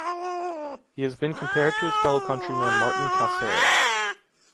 He has been compared to his fellow countryman Martin Caceres.